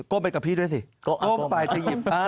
ก้มไปกับพี่ด้วยสิ